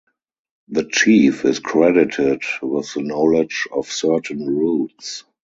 The chief is credited with the knowledge of certain roots.